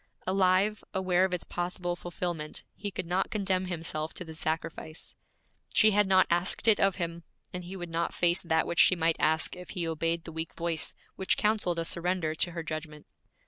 Alive, aware of its possible fulfillment, he could not condemn himself to the sacrifice. She had not asked it of him, and he would not face that which she might ask if he obeyed the weak voice which counseled a surrender to her judgment.